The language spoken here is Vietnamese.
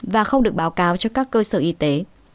và không được báo cáo cho các cơ sở y tế